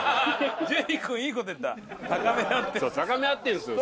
そう高め合ってるんですよ。